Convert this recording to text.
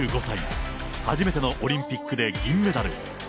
１５歳、初めてのオリンピックで銀メダル。